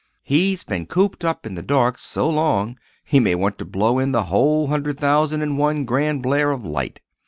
He's been cooped up in the dark so long he may want to blow in the whole hundred thousand in one grand blare of light.